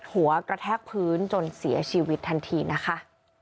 หัวกระแทกพื้นจนเสียชีวิตทันทีนะคะ